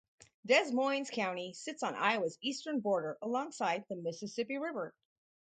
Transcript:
Des Moines County sits on Iowa's eastern border alongside the Mississippi River.